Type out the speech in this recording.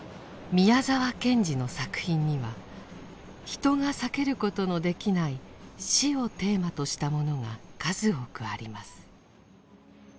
宮沢賢治の作品には人が避けることのできない死をテーマとしたものが数多くあります。